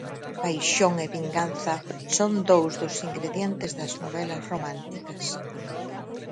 Paixón e vinganza son dous dos ingredientes das novelas románticas